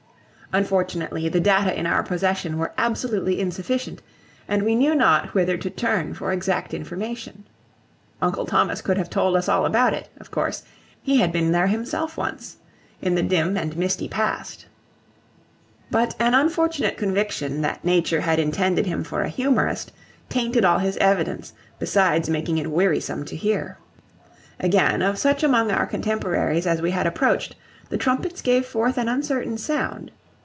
Unfortunately, the data in our possession were absolutely insufficient, and we knew not whither to turn for exact information. Uncle Thomas could have told us all about it, of course; he had been there himself, once, in the dim and misty past. But an unfortunate conviction, that Nature had intended him for a humourist, tainted all his evidence, besides making it wearisome to hear. Again, of such among our contemporaries as we had approached, the trumpets gave forth an uncertain sound.